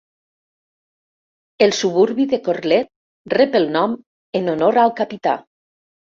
El suburbi de Corlette rep el nom en honor al capità.